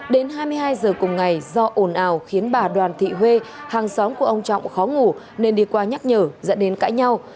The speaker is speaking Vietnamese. đến hai mươi hai giờ cùng ngày do ồn ào khiến bà đoàn thị huê hàng xóm của ông trọng khó ngủ nên đi qua nhắc nhở dẫn đến cãi nhau